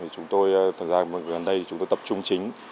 chúng tôi tập trung chính